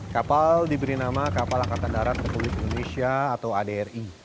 kapal diberi nama kapal angkatan darat republik indonesia atau adri